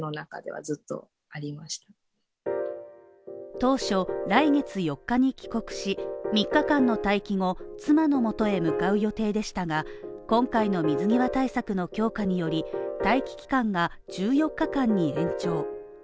当初、来月４日に帰国し、３日間の待機後、妻の元へ向かう予定でしたが、今回の水際対策の強化により、待機期間が１４日間に延長。